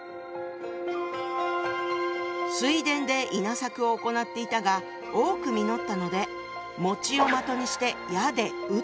水田で稲作を行っていたが多く実ったのでを的にして矢でうった。